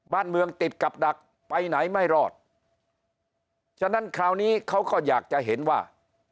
บ้านเมืองติดกับดักไปไหนไม่รอดฉะนั้นคราวนี้เขาก็อยากจะเห็นว่า